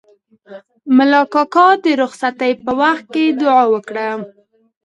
ملا کاکا د رخصتۍ په وخت کې دوعا وکړه.